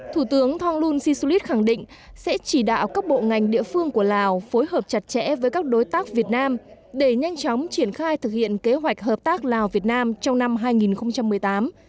thủ tướng thonglun sisulit khẳng định sẽ chỉ đạo các bộ ngành địa phương của lào phối hợp chặt chẽ với các đối tác việt nam để nhanh chóng triển khai thực hiện kế hoạch hợp tác lào việt nam trong năm hai nghìn một mươi tám